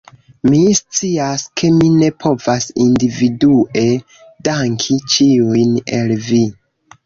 Mi scias, ke mi ne povas individue danki ĉiujn el vi